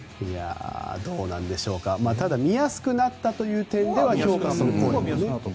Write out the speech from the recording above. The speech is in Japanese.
どうなんでしょうかただ見やすくなったという点では評価する声もね。